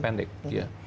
memori yang pendek